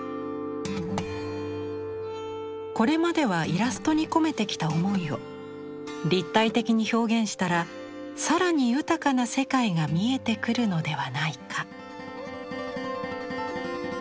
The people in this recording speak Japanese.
これまではイラストに込めてきた思いを立体的に表現したら更に豊かな世界が見えてくるのではないか。